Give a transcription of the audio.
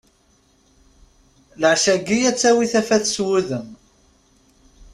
Leɛca-ayi ad tawi tafat s wudem.